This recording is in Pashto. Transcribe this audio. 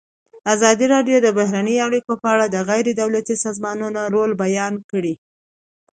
ازادي راډیو د بهرنۍ اړیکې په اړه د غیر دولتي سازمانونو رول بیان کړی.